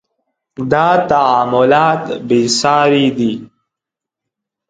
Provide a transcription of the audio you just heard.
• دا تعاملات بې ساري دي.